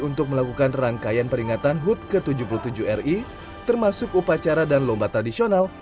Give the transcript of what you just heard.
untuk melakukan rangkaian peringatan hud ke tujuh puluh tujuh ri termasuk upacara dan lomba tradisional